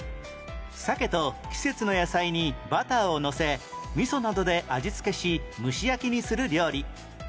鮭と季節の野菜にバターをのせみそなどで味付けし蒸し焼きにする料理